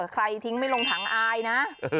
ทิ้งไม่ลงถังอายนะ